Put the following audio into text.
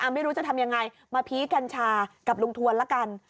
อ๋อไม่รู้จะทำอย่างไรมาพีกรรชากับลูงทวนละกัน